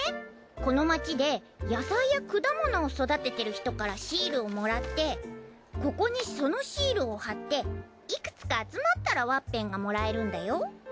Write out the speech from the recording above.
この町で野菜や果物を育てている人からシールをもらってここにそのシールを貼っていくつか集まったらワッペンがもらえるんだよ。